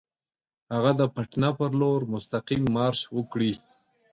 هغه د پټنه پر لور مستقیم مارش وکړي.